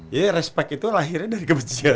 respect itu lahirnya dari kebencian